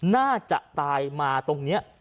น่าจะตายมาตรงนี้